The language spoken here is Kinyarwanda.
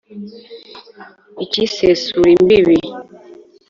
ikisesura imbibi,